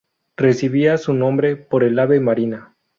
Recibía su nombre por el ave marina.